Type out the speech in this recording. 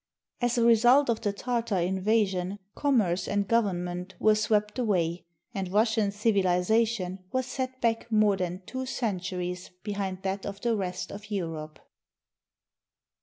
As a result of the Tartar invasion, commerce and govern ment were swept away, and Russian civilization was set back more than two centuries behind that of the rest of Europe.